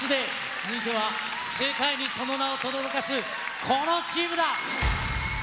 続いては、世界にその名をとどろかすこのチームだ。